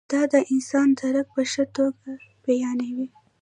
دا د انسان درک په ښه توګه بیانوي.